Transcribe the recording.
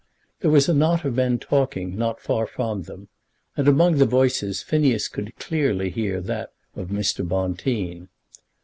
There was a knot of men talking not far from them, and among the voices Phineas could clearly hear that of Mr. Bonteen.